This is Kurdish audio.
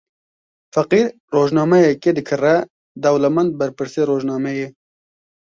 Feqîr rojnameyekê dikire, dewlemend berpirsê rojnameyê.